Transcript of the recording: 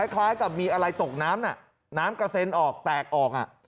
คล้ายกับมีอะไรตกน้ำน้ำกระเซ็นออกแตกออก